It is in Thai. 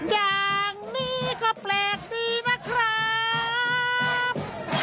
อย่างนี้ก็แปลกดีนะครับ